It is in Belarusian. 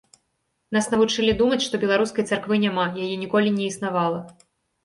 Нас навучылі думаць, што беларускай царквы няма, яе ніколі не існавала.